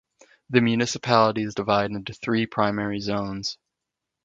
The municipality is divided into three primary zones.